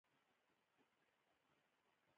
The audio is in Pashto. جلا وطني او د محکوم مریي کول هم جزا ده.